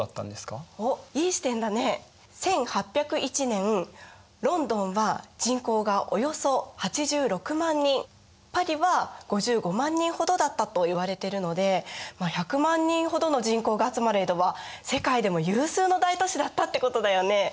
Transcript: １８０１年ロンドンは人口がおよそ８６万人パリは５５万人ほどだったといわれてるのでまあ１００万人ほどの人口が集まる江戸は世界でも有数の大都市だったってことだよね。